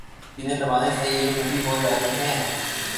۔ جنہیں دبانے سے یہ ٹھنڈی ہوجاتے ہیں۔